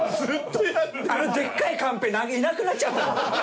あのでっかいカンペいなくなっちゃったもん。